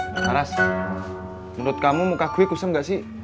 pak ras menurut kamu muka gue kusam gak sih